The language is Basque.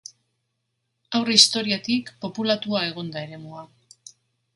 Aurre historiatik populatua egon da eremua.